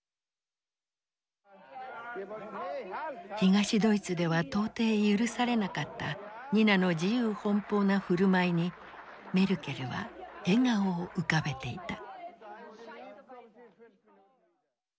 東ドイツでは到底許されなかったニナの自由奔放な振る舞いにメルケルは笑顔を浮かべていた。